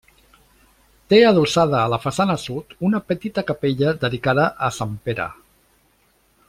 Té adossada a la façana sud una petita capella dedicada a Sant Pere.